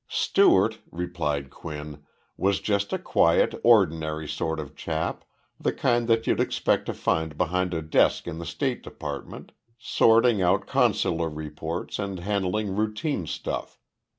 Stewart [replied Quinn] was just a quiet, ordinary sort of chap, the kind that you'd expect to find behind a desk in the State Department, sorting out consular reports and handling routine stuff.